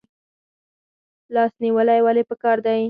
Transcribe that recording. لاس نیوی ولې پکار دی؟